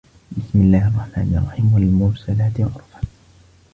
بِسمِ اللَّهِ الرَّحمنِ الرَّحيمِ وَالمُرسَلاتِ عُرفًا